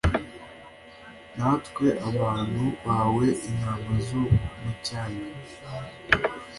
natwe abantu bawe intama zo mu cyanya